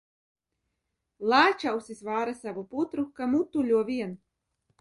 Lāčausis vāra savu putru, ka mutuļo vien.